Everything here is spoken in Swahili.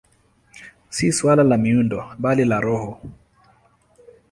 Si suala la miundo, bali la roho.